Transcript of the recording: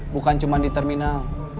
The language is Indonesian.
bukan cuma di terminal